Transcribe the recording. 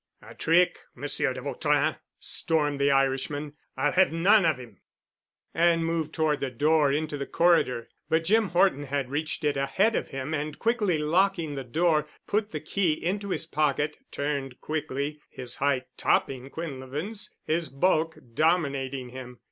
"A trick—Monsieur de Vautrin," stormed the Irishman. "I'll have none of him," and moved toward the door into the corridor. But Jim Horton had reached it ahead of him, and quickly locking the door, put the key into his pocket, turned quickly, his height topping Quinlevin's, his bulk dominating him.